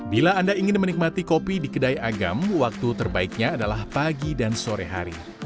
bila anda ingin menikmati kopi di kedai agam waktu terbaiknya adalah pagi dan sore hari